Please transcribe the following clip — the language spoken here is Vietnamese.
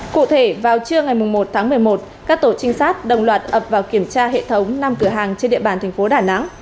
cụ thể vào trưa ngày một tháng một mươi một các tổ trinh sát đồng loạt ập vào kiểm tra hệ thống năm cửa hàng trên địa bàn thành phố đà nẵng